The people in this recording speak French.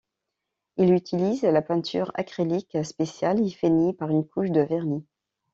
Il utilise la peinture acrylique spéciale et finit par une couche de vernis.